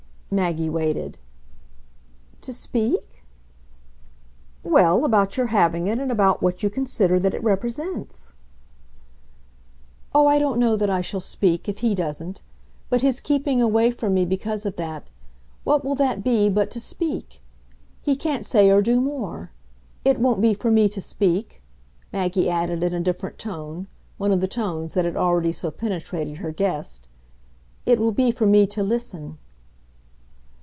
Maggie waited. "To 'speak' ?" "Well, about your having it and about what you consider that it represents." "Oh, I don't know that I shall speak if he doesn't. But his keeping away from me because of that what will that be but to speak? He can't say or do more. It won't be for me to speak," Maggie added in a different tone, one of the tones that had already so penetrated her guest. "It will be for me to listen."